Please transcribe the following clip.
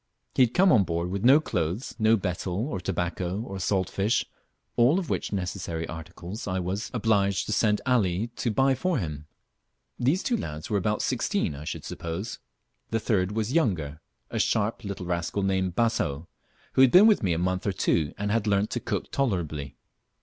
He had come on board with no clothes, no betel, or tobacco, or salt fish, all which necessary articles I was obliged to send Ali to buy for him. These two lads were about sixteen, I should suppose; the third was younger, a sharp little rascal named Baso, who had been with me a month or two, and had learnt to cook tolerably.